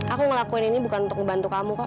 aku ngelakuin ini bukan untuk membantu kamu kok